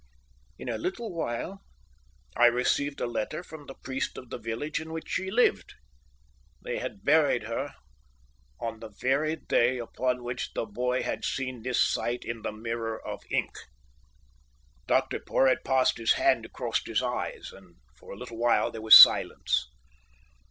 "In a little while, I received a letter from the priest of the village in which she lived. They had buried her on the very day upon which the boy had seen this sight in the mirror of ink." Dr Porhoët passed his hand across his eyes, and for a little while there was silence.